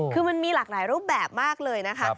คือมันมีหลากหลายรูปแบบมากเลยนะคะ